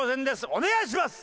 お願いします！